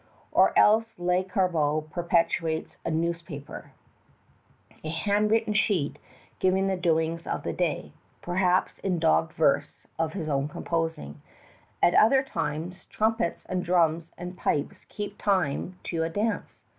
Or else Lescarbot perpetrates a newspaper, a handwritten sheet giving the doings of the day, perhaps in doggerel verse of his own composing. At other times trumpets and drums and pipes keep time to a dance.